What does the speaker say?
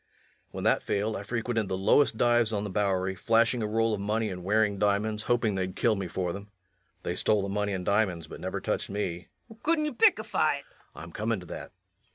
When that failed, I frequented the lowest dives on the Bowery, flashing a roll of money and wearing diamonds, hoping they'd kill me for them. They stole the money and diamonds, but never touched me. LUKE. Couldn't you pick a fight? REVENUE. I'm coming to that.